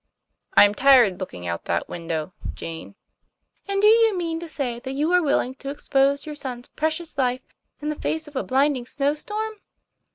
"I'm tired looking out that window, Jane." "And do you mean to say that you are willing to expose your son's precious life in the face of a blinding snow storm?"